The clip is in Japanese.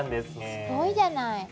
すごいじゃない！